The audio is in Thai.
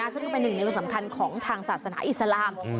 ซึ่งก็เป็นหนึ่งในวันสำคัญของทางศาสนาอิสลาม